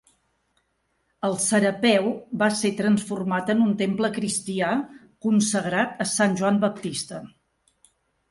El Serapeu va ser transformat en un temple cristià, consagrat a Sant Joan Baptista.